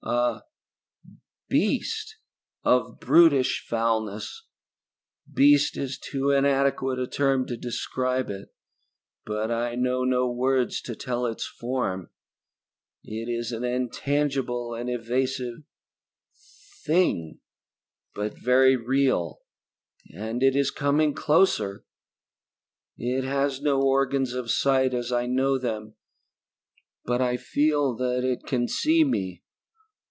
"A beast of brutish foulness! Beast is too inadequate a term to describe it, but I know no words to tell its form. It is an intangible and evasive thing but very real. And it is coming closer! It has no organs of sight as I know them, but I feel that it can see me.